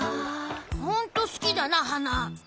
・ほんとすきだなはな。